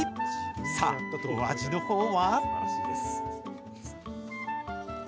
さあ、お味のほうは？